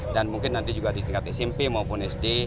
dan mungkin nanti juga di tingkat smp maupun sd